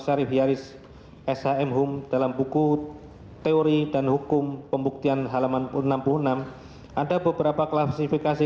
syarif yaris shm hum dalam buku teori dan hukum pembuktian halaman enam puluh enam ada beberapa klasifikasi